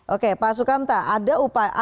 oke pak sukamta